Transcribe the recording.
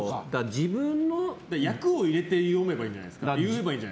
役を入れて言えばいいんじゃないですか？